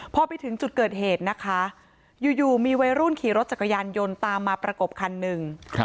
พอไปถึงจุดเกิดเหตุนะคะอยู่มีวัยรุ่นขี่รถจักรยานยนต์ตามมาประกบคันหนึ่ง